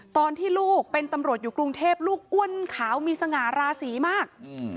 ตอนที่ลูกเป็นตำรวจอยู่กรุงเทพลูกอ้วนขาวมีสง่าราศีมาก